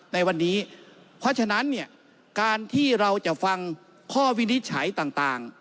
ในวันนี้เพราะฉะนั้นเนี่ยการที่เราจะฟังข้อวินิจฉัยต่าง